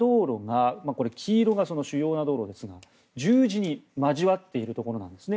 主要な道路が十字に交わっているところなんですね。